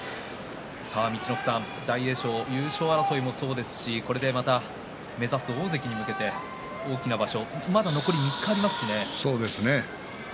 陸奥さん、大栄翔優勝争いもそうですしこれで、また目指す大関に向けて大きな場所そうですね